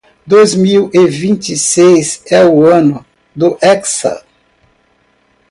Dois mil e vinte seis é o ano do hexa.